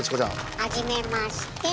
はじめまして。